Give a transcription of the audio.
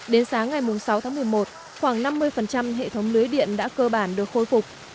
đến sáng ngày sáu tháng một mươi một khoảng năm mươi hệ thống lưới điện đã cơ bản được khôi phục